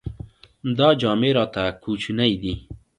دا جامې راته کوچنۍ دي.